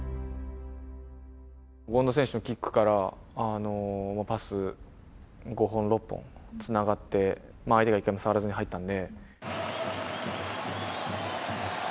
権田選手のキックから、パス５本、６本つながって、相手が一回も触らずに入ったんで。